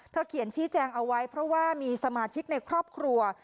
เขียนชี้แจงเอาไว้เพราะว่ามีสมาชิกในครอบครัว